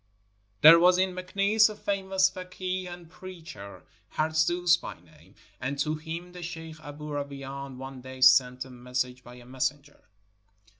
There was in Meknes a famous fakeeh and preacher, Harzooz by name, and to him the sheikh Aboo Rawain one day sent a message by a messenger.